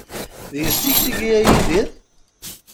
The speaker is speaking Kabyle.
D yessi-k tigi, a Yidir?